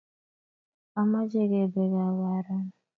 Amache kebe gaa karon